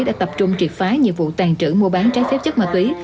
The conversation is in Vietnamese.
đã tập trung triệt phái nhiệm vụ tàn trữ mua bán trái phép chất ma túy